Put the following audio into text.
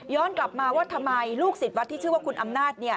กลับมาว่าทำไมลูกศิษย์วัดที่ชื่อว่าคุณอำนาจ